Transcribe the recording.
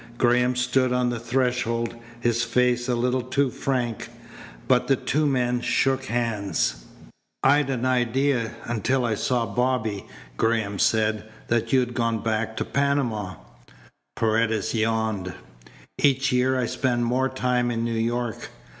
Graham stood on the threshold, his face a little too frank. But the two men shook hands. "I'd an idea until I saw Bobby," Graham said, "that you'd gone back to Panama." Paredes yawned. "Each year I spend more time in New York.